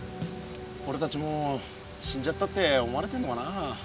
おれたちもう死んじゃったって思われてんのかなあ。